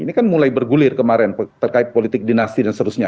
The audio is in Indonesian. ini kan mulai bergulir kemarin terkait politik dinasti dan seterusnya